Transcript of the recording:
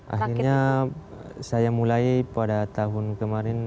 akhirnya saya mulai pada tahun kemarin dua ribu dua